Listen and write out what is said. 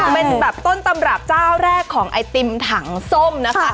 เป็นแบบต้นตำรับเจ้าแรกของไอติมถังส้มนะคะ